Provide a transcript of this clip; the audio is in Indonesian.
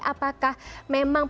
apakah memang perbedaan